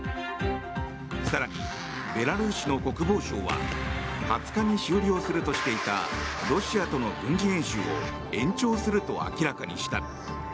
更にベラルーシの国防省は２０日に終了するとしていたロシアとの軍事演習を延長すると明らかにした。